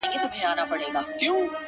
تر څو چي زه يم تر هغو ستا په نامه دې سمه _